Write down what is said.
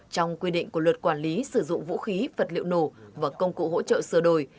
trong quy định của luật quản lý sử dụng vũ khí vật liệu nổ và công cụ hỗ trợ sửa đổi